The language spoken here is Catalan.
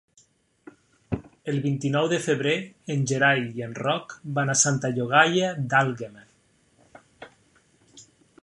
El vint-i-nou de febrer en Gerai i en Roc van a Santa Llogaia d'Àlguema.